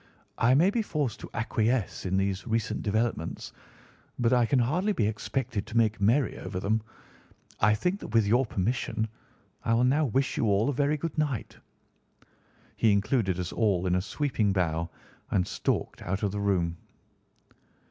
"I may be forced to acquiesce in these recent developments, but I can hardly be expected to make merry over them. I think that with your permission I will now wish you all a very good night." He included us all in a sweeping bow and stalked out of the room.